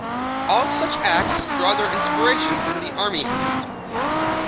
All such Acts draw their inspiration from the Army Act.